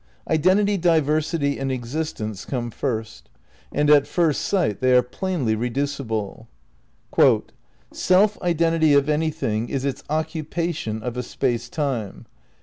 Identity, Diversity and Existence come first, and at first sight they are plainly reducible. "Self identity of anything is its occupation of a space time.